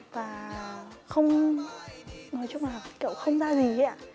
và không nói chung là kiểu không ra gì ạ